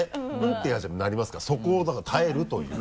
てなりますからそこをだから耐えるという。